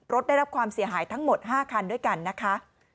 ได้รับความเสียหายทั้งหมด๕คันด้วยกันนะคะ